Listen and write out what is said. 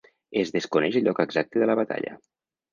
Es desconeix el lloc exacte de la batalla.